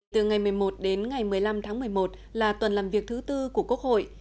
từ ngày một mươi một đến ngày một mươi năm tháng một mươi một là tuần làm việc thứ tư của quốc hội